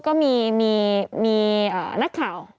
ก็มีนักข่าว